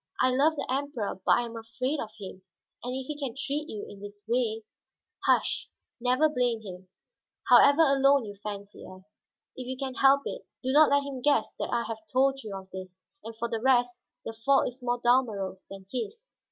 I love the Emperor, but I am afraid of him. And if he can treat you in this way " "Hush; never blame him, however alone you fancy us. If you can help it, do not let him guess that I have told you of this. And for the rest, the fault is more Dalmorov's than his."